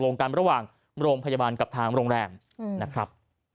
ลงกันระหว่างโรงพยาบาลกับทางโรงแรมนะครับ